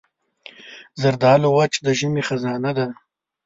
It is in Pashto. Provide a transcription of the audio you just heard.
زردالو وچ د ژمي خزانه ده.